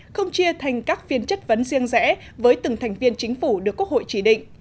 không chia thành các phiên chất vấn riêng rẽ với từng thành viên chính phủ được quốc hội chỉ định